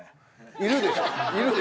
いるでしょ？